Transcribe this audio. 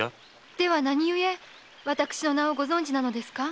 では何故私の名をご存じなのですか？